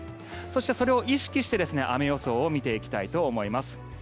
そしてそれを意識して雨予想を見ていきたいと思います。